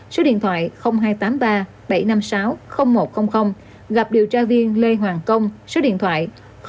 số điện thoại hai trăm tám mươi ba bảy trăm năm mươi sáu một trăm linh gặp điều tra viên lê hoàng công số điện thoại chín trăm ba mươi tám năm trăm năm mươi tám sáu trăm sáu mươi